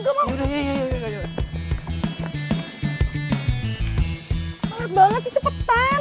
malah banget sih cepetan